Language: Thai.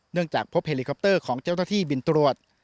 จากพบเฮลิคอปเตอร์ของเจ้าหน้าที่บินตรวจ